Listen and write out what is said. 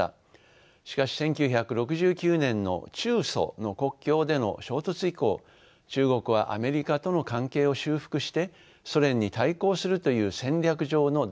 しかし１９６９年の中ソの国境での衝突以降中国はアメリカとの関係を修復してソ連に対抗するという戦略上の大転換を図ります。